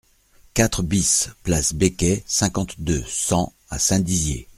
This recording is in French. quatre BIS place Becquey, cinquante-deux, cent à Saint-Dizier